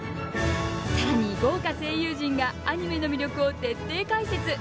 さらに豪華声優陣がアニメの魅力を徹底解説。